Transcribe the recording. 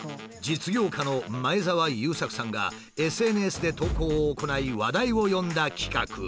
実業家の前澤友作さんがＳＮＳで投稿を行い話題を呼んだ企画。